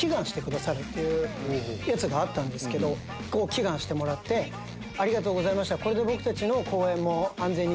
祈願してもらってありがとうございました。